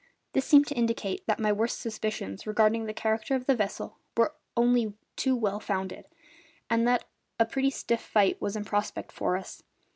This seemed to indicate that my worst suspicions regarding the character of the vessel were only too well founded, and that a pretty stiff fight was in prospect for us.